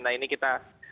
nah ini kita